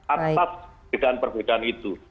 atas perbedaan perbedaan itu